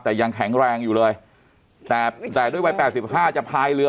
แต่ยังแข็งแรงอยู่เลยแต่ด้วยวัย๘๕จะพายเรือ